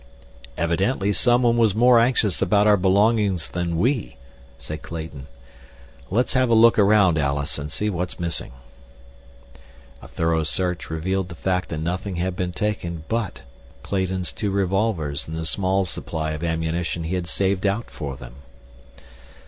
"Evidently someone was more anxious about our belongings than we," said Clayton. "Let's have a look around, Alice, and see what's missing." A thorough search revealed the fact that nothing had been taken but Clayton's two revolvers and the small supply of ammunition he had saved out for them.